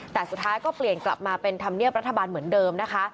แต่สุดท้ายก็เปลี่ยนกลับมาเป็นธรรมเนียบรัฐบาลเหมือนเดิมนะคะ